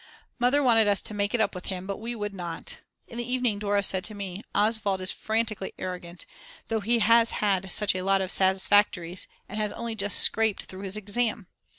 Mother wanted us to make it up with him, but we would not. In the evening Dora said to me: Oswald is frantically arrogant, though he has had such a lot of Satisfactories and has only just scraped through his exam.